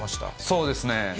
そうですね。